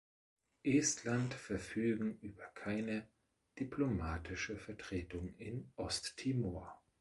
Estland verfügen über keine diplomatische Vertretung in Osttimor.